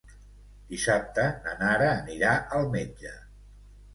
Dissabte na Nara anirà al metge.